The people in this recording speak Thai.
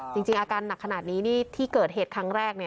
จริงอาการหนักขนาดนี้ที่เกิดเหตุครั้งแรก